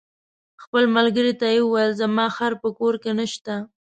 خپل ملګري ته یې وویل: زما خر په کور کې نشته.